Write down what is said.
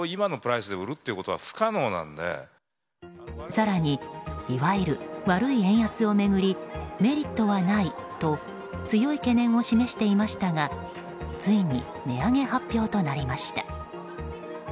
更にいわゆる悪い円安を巡りメリットはないと強い懸念を示していましたがついに値上げ発表となりました。